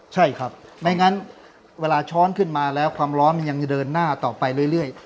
ใช่ครับไม่งั้นเวลาช้อนขึ้นมาแล้วความร้อนมันยังเดินหน้าต่อไปเรื่อย